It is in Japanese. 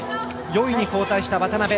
４位に後退した渡部。